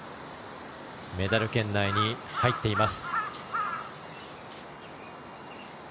メダル圏内に入っています。